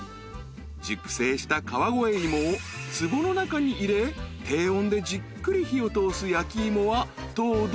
［熟成した川越いもをつぼの中に入れ低音でじっくり火を通す焼き芋は糖度抜群］